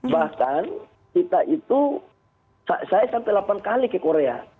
bahkan kita itu saya sampai delapan kali ke korea